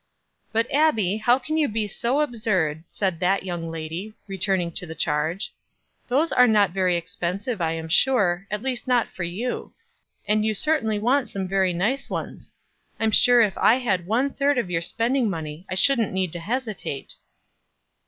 "But, Abbie, how can you be so absurd," said that young lady, returning to the charge. "Those are not very expensive, I am sure, at least not for you; and you certainly want some very nice ones. I'm sure if I had one third of your spending money I shouldn't need to hesitate."